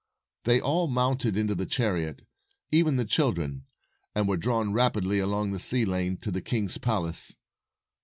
They all mounted into the chariot — even the children — and were drawn rapidly along the sea lane to the king's palace.